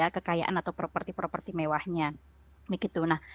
kekayaan atau properti properti mewahnya